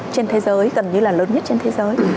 trên thế giới gần như là lớn nhất trên thế giới